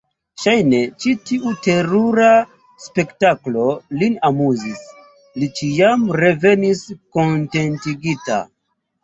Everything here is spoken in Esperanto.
Ŝajne, ĉi tiu terura spektaklo lin amuzis: li ĉiam revenis kontentigita.